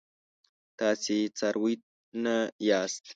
تاسي څاروي نه یاست.